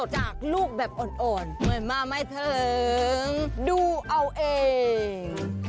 จากลูกแบบอ่อนเหมือนมาไม่ถึงดูเอาเอง